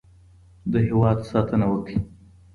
د هېواد ساتنه وکړئ.